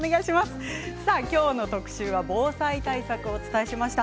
今日の特集は防災対策をお伝えしました。